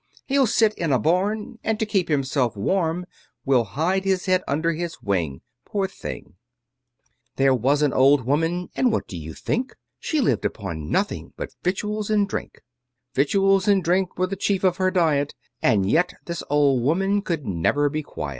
He'll sit in a barn, And to keep himself warm, Will hide his head under his wing, Poor thing! There was an old woman, and what do you think? She lived upon nothing but victuals and drink: Victuals and drink were the chief of her diet; And yet this old woman could never be quiet.